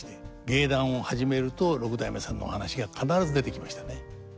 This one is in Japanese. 芸談を始めると六代目さんのお話が必ず出てきましたね。